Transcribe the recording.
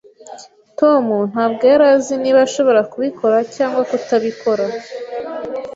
Tom ntabwo yari azi niba ashobora kubikora cyangwa kutabikora.